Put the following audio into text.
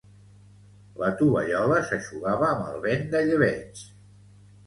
La tovallola s' eixugava amb el vent de llebeig.